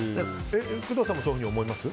工藤さんもそう思います？